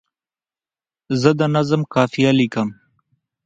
زه د نظم قافیه لیکم.